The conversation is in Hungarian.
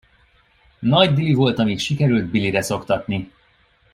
Nagy dili volt, amíg sikerült bilire szoktatni.